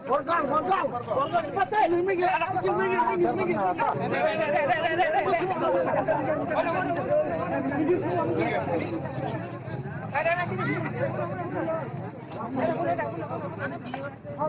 orga orga orga cepat deh ada kecil ada kecil